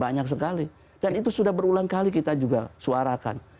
nanti kita juga suarakan